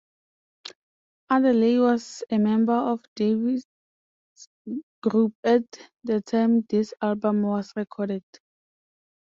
Adderley was a member of Davis' group at the time this album was recorded.